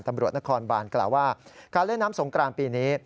ตำรวจนครบานกล่าวว่าการเล่นน้ำสงกรานปีนี้